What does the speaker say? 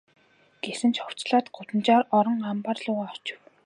Гэсэн ч хувцаслаад гудамжаар орон амбаар луугаа очив.